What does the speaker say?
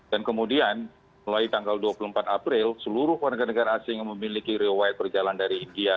dan kemudian mulai tanggal dua puluh empat april seluruh warga negara asing yang memiliki rewired perjalanan dari india